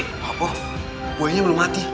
apa buahnya belum mati